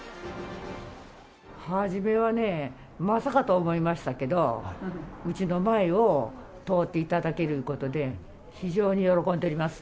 初めはね、まさかと思いましたけど、うちの前を通っていただけるということで、非常に喜んでおります。